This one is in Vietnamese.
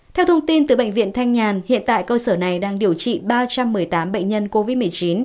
theo thông tin từ bệnh viện thanh nhàn hiện tại cơ sở này đang điều trị ba trăm một mươi tám bệnh nhân covid một mươi chín